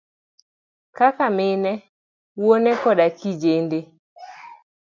kaka mine, wuone koda kijende.